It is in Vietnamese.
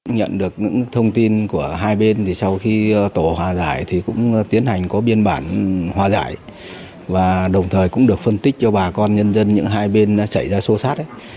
nhận được những thông tin của hai bên thì sau khi tổ hòa giải thì cũng tiến hành có biên bản hòa giải và đồng thời cũng được phân tích cho bà con nhân dân những hai bên xảy ra sô sát